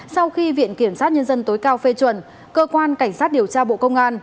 sau khi viện kiểm sát nhân dân tối cao phê chuẩn cơ quan cảnh sát điều tra bộ công an